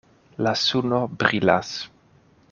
La suno brilas.